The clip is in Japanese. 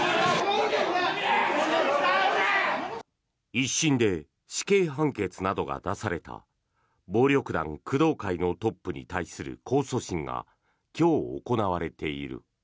１審で死刑判決などが出された暴力団工藤会のトップに対する控訴審が今日、行われている。